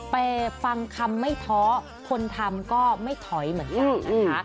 ไปฟังคำไม่ท้อคนทำก็ไม่ถอยเหมือนกันนะคะ